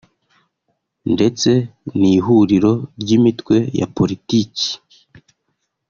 ndetse n’ihuriro ry’imitwe ya Politiki